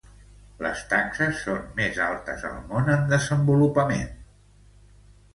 Les taxes són més altes al món en desenvolupament.